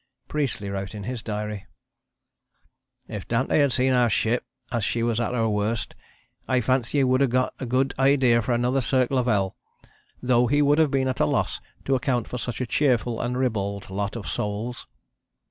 Priestley wrote in his diary: "If Dante had seen our ship as she was at her worst, I fancy he would have got a good idea for another Circle of Hell, though he would have been at a loss to account for such a cheerful and ribald lot of Souls."